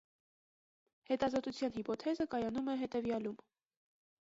Հետազոտության հիպոթեզը կայանում է հետևյալում։